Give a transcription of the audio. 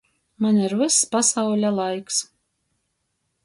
Maņ ir vyss pasauļa laiks.